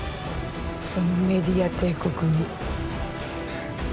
そのメディア帝国に